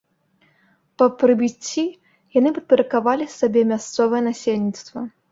Па прыбыцці яны падпарадкавалі сабе мясцовае насельніцтва.